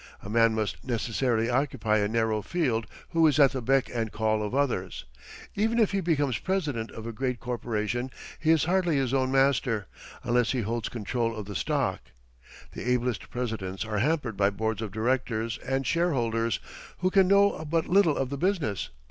A man must necessarily occupy a narrow field who is at the beck and call of others. Even if he becomes president of a great corporation he is hardly his own master, unless he holds control of the stock. The ablest presidents are hampered by boards of directors and shareholders, who can know but little of the business.